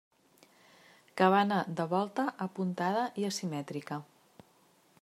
Cabana de volta apuntada i asimètrica.